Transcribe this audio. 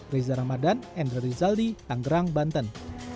riza ramadan dan rizali anggerang banten